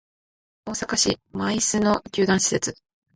大阪市・舞洲の球団施設